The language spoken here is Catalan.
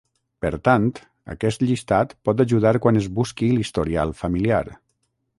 Per tant, aquest llistat pot ajudar quan es busqui l'historial familiar.